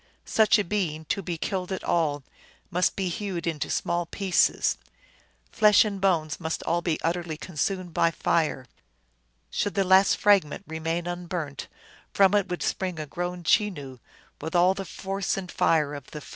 Such a being, to be killed at all, must be hewed into small pieces ; flesh and bones must all be utterly consumed by fire. Should the least fragment remain unburnt, from it would spring a grown Chenoo, with all the force and fire of the first.